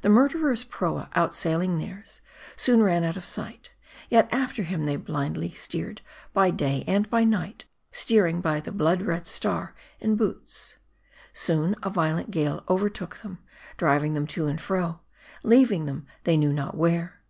The murderer's proa outsailing theirs, soon ran out of sight ; yet after him they blindly steered by day and by night : steering by the blood red star in Bootes. Soon, a violent gale overtook them ; driving them to and fro ; leaving them they knew not where.